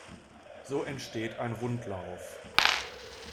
So entsteht ein „Rundlauf“.